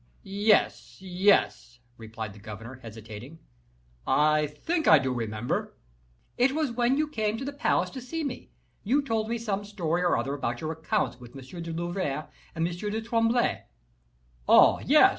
"Yes, yes," replied the governor, hesitating; "I think I do remember." "It was when you came to the palace to see me; you told me some story or other about your accounts with M. de Louviere and M. de Tremblay." "Oh, yes!